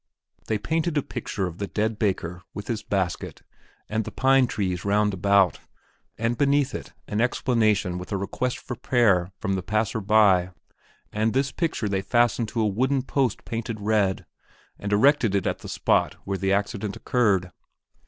They painted a picture of the dead baker with his basket and the pine trees round about, and beneath it an explanation with a request for prayer from the passer by, and this picture they fastened to a wooden post painted red, and erected it at the spot where the accident occurred.